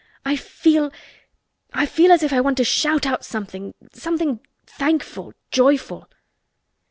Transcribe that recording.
I feel—I feel as if I want to shout out something—something thankful, joyful!"